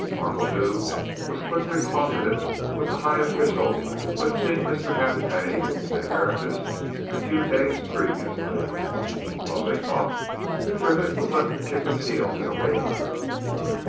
Markledew was quickly closeted with the high official who had seen Mr. Halfpenny and Mr. Tertius a few days previously; while they talked, Triffitt was left to kick his heels in a waiting room.